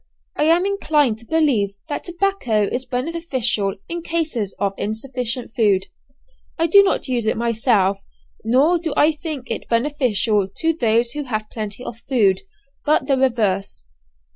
I am inclined to believe that tobacco is beneficial in cases of insufficient food. I do not use it myself, nor do I think it beneficial to those who have plenty of food, but the reverse.